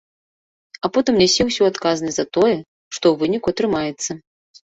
А потым нясе ўсю адказнасць за тое, што ў выніку атрымаецца.